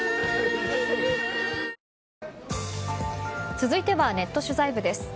続いてはネット取材部です。